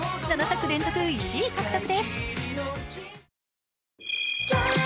７作連続１位獲得です。